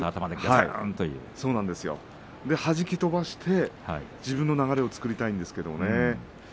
はじき飛ばして、自分の流れを作りたいんですけどね。